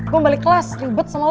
gue mau balik kelas ribet sama lo